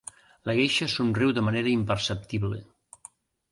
La geisha somriu de manera imperceptible.